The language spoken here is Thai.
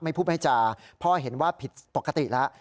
ไม่พบให้จ่าพ่อเห็นว่าผิดปกติแล้ว